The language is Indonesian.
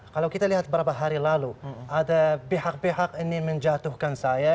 kalau kita lihat beberapa hari lalu ada pihak pihak ini menjatuhkan saya